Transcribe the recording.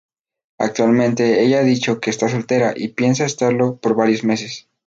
Actualmente ella ha dicho que está soltera y piense estarlo por varios meses.